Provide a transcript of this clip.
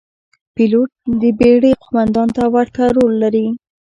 پیلوټ د بېړۍ قوماندان ته ورته رول لري.